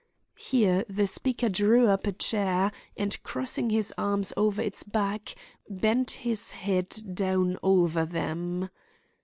Here the speaker drew up a chair, and, crossing his arms over its back, bent his head down over them.